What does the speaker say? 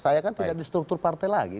saya kan tidak di struktur partai lagi